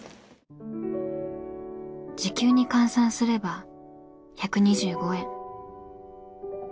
時給に換算すれば１２５円。